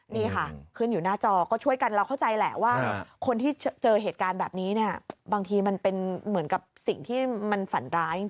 นี่ค่ะขึ้นอยู่หน้าจอก็ช่วยกันเราเข้าใจแหละว่าคนที่เจอเหตุการณ์แบบนี้เนี่ยบางทีมันเป็นเหมือนกับสิ่งที่มันฝันร้ายจริง